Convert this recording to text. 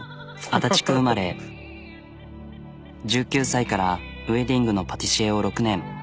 １９歳からウエディングのパティシエを６年。